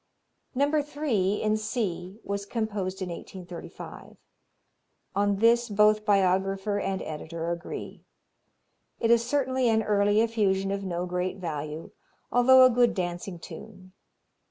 No. 3, in C, was composed in 1835. On this both biographer and editor agree. It is certainly an early effusion of no great value, although a good dancing tune.